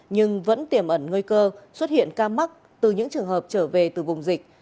nhưng vẫn tiềm ẩn nguy cơ xuất hiện ca mắc từ những trường hợp trở về từ vùng dịch